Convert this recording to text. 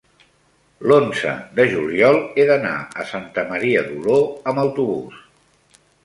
l'onze de juliol he d'anar a Santa Maria d'Oló amb autobús.